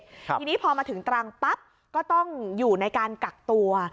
ทีนี้พอมาถึงตรังปั๊บก็ต้องอยู่ในการกักตัว